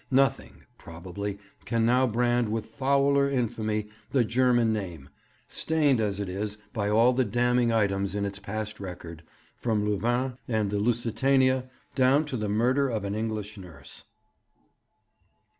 Nothing, probably, can now brand with fouler infamy the German name, stained as it is by all the damning items in its past record, from Louvain and the Lusitania down to the murder of an English nurse.'